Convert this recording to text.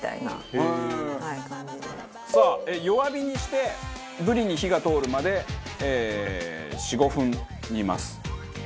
へえー！さあ弱火にしてブリに火が通るまで４５分煮ます。